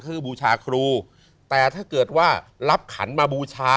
คือบูชาครูแต่ถ้าเกิดว่ารับขันมาบูชา